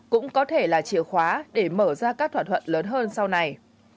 cũng có thể là chìa khóa để mở ra các thỏa thuận lớn hơn sau này